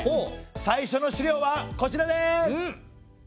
最初の資料はこちらです！